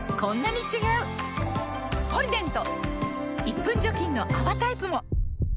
１分除菌の泡タイプも！